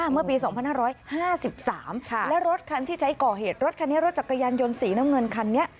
เมื่อปี๒๕๕๓และรถคันที่ใช้ก่อเหตุรถคันนี้รถจักรยานยนต์สีน้ำเงินคันนี้